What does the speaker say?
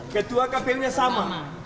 ketua kpu nya sama